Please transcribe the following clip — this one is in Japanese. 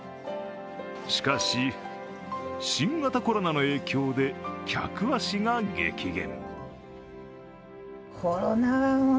しかし、新型コロナの影響で客足が激減。